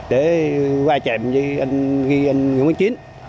để qua chạm với anh nguyễn quỳnh chín